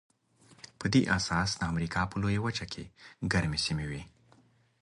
په دې اساس د امریکا په لویه وچه کې ګرمې سیمې وې.